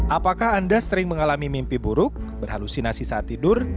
apakah anda sering mengalami mimpi buruk berhalusinasi saat tidur